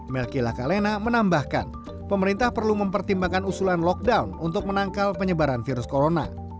melki lakalena menambahkan pemerintah perlu mempertimbangkan usulan lockdown untuk menangkal penyebaran virus corona